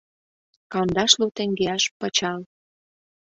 — Кандашлу теҥгеаш пычал.